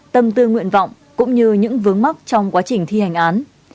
tâm tư nguyện vọng cũng như những vướng mắc trong quá trình thi hành án